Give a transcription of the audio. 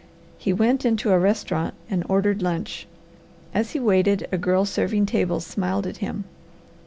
He went into a restaurant and ordered lunch; as he waited a girl serving tables smiled at him.